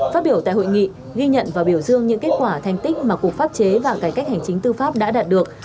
phát biểu tại hội nghị ghi nhận và biểu dương những kết quả thành tích mà cục pháp chế và cải cách hành chính tư pháp đã đạt được